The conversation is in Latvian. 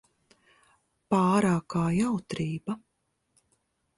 Pārākā jautrība.